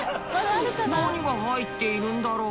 何が入っているんだろう？